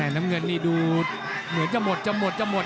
น้ำเงินนี่ดูเหมือนจะหมดจะหมดจะหมด